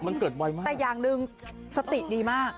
แต่อย่างนึงสติดีมาก